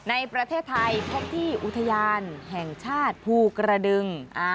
ในประเทศไทยพบที่อุทยานแห่งชาติภูกระดึง